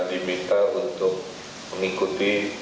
diminta untuk mengikuti